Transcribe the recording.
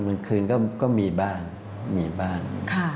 เมย์คืนก็มีบ้าง